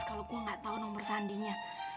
kalo gue nggak tau nomor sandinya